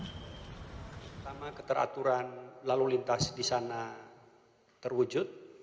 pertama keteraturan lalu lintas di sana terwujud